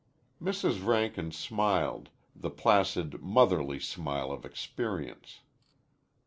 Mrs. Rankin smiled, the placid, motherly smile of experience.